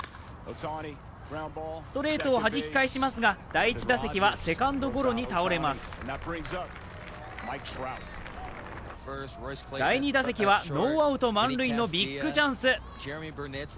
ストレートをはじき返しますが第１打席はセカンドゴロに倒れます第２打席はノーアウト満塁のビッグチャンス